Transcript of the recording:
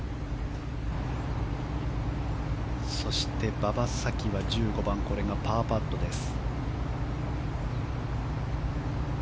そして、馬場咲希は１５番パーパットです。